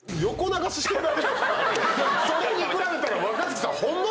それに比べたら若槻さんホンマ